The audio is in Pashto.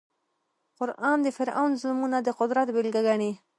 قران د فرعون ظلمونه د قدرت بېلګه ګڼي.